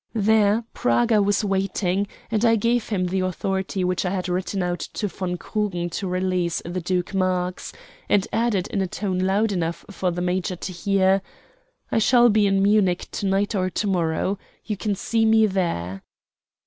There Praga was waiting, and I gave him the authority which I had written out to von Krugen to release the Duke Marx, and added in a tone loud enough for the major to hear: "I shall be in Munich to night or to morrow. You can see me there."